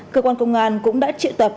cơ quan công an cũng đã triệu tập